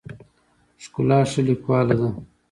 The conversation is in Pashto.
ښکلا ښه لیکواله ده.